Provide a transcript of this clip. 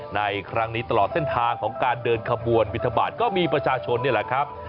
ในครั้งนี้ตลอดเส้นทางของการเดินขบวนบินทบาทก็มีประชาชนนี่แหละครับ